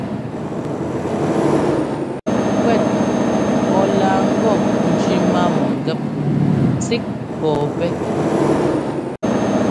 Kuɛt ɔ laa ŋgɔ njẅi má mɔ̂ngɛ́p tsík pɔ̂pɛ́.